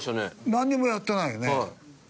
なんにもやってないよね。